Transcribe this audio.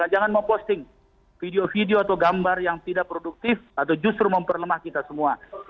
jangan mau posting video video atau gambar yang tidak produktif atau justru memperlemah kita semua